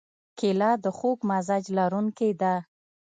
کېله د خوږ مزاج لرونکې ده.